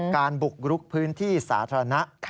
บุกรุกพื้นที่สาธารณะ